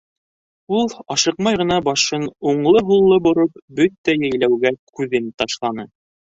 Ул, ашыҡмай ғына башын уңлы-һуллы бороп, бөтә йәйләүгә күҙен ташланы.